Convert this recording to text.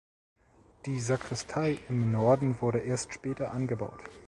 Die Sakristei im Norden wurde erst später angebaut.